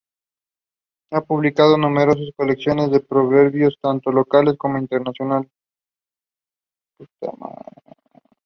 Ha publicado numerosas colecciones de proverbios, tanto locales como internacionales.